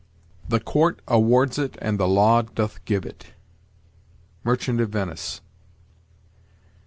"The court awards it, and the law doth give it." Merchant of Venice.